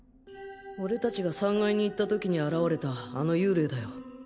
俺たちが３階に行った時に現れたあの幽霊だよ。